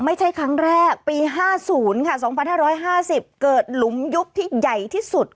ไม่ใช่ครั้งแรกปี๕๐ค่ะ๒๕๕๐เกิดหลุมยุบที่ใหญ่ที่สุด